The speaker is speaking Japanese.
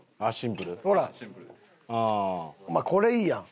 お前これいいやん。